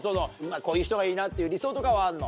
こういう人がいいなっていう理想とかはあるの？